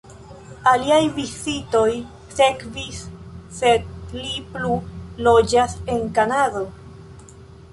Aliaj vizitoj sekvis, sed li plu loĝas en Kanado.